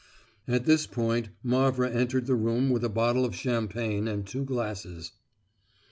At this point Mavra entered the room with a bottle of champagne and two glasses.